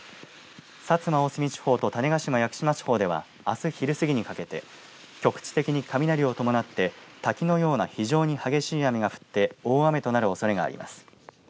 薩摩、大隅地方と種子島・屋久島地方ではあす昼過ぎにかけて局地的に雷を伴って滝のような非常に激しい雨が降って大雨となるおそれがあります。